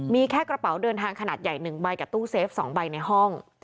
มีแค่กระเป๋าเดินทางขนาดใหญ่๑ใบกับตู้เซฟ๒ใบในห้อง